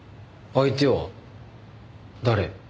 相手は誰？